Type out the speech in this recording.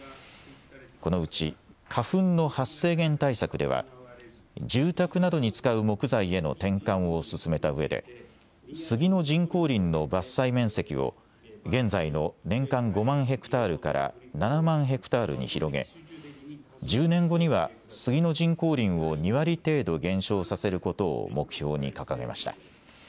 このうち花粉の発生源対策では、住宅などに使う木材への転換を進めたうえで、スギの人工林の伐採面積を現在の年間５万ヘクタールから７万ヘクタールに広げ、１０年後にはスギの人工林を２割程度減少させることを目標に掲げました。